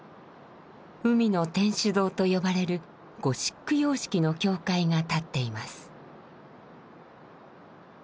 海の天主堂と呼ばれるゴシック様式の教会が立っています。